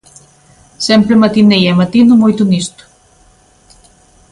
Sempre matinei e matino moito nisto.